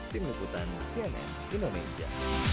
tim leputan cnn indonesia